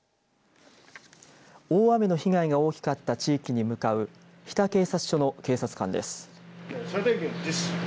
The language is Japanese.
大雨の被害が大きかった地域に向かう日田警察署の警察官です。